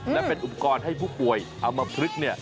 และเป็นอุปกรณ์ให้ผู้ป่วยอำมพลึก